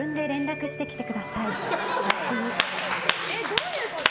どういうこと？